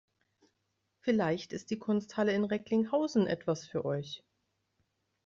Vielleicht ist die Kunsthalle in Recklinghausen etwas für euch.